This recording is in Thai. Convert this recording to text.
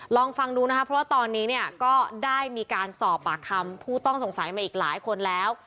ลองฟังดูนะคะเพราะว่าตอนนี้เนี่ยก็ได้มีการสอบปากคำผู้ต้องสงสัยมาอีกหลายคนแล้ว